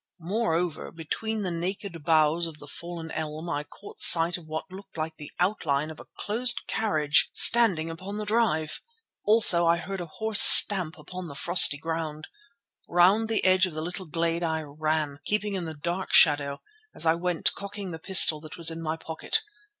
Moreover, between the naked boughs of the fallen elm I caught sight of what looked like the outline of a closed carriage standing upon the drive. Also I heard a horse stamp upon the frosty ground. Round the edge of the little glade I ran, keeping in the dark shadow, as I went cocking the pistol that was in my pocket.